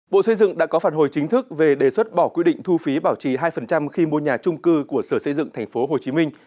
bộ xây dựng đã có phản hồi chính thức về đề xuất bỏ quy định thu phí bảo trì hai khi mua nhà trung cư của sở xây dựng tp hcm